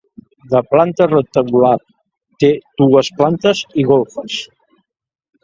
De planta rectangular, té dues plantes i golfes.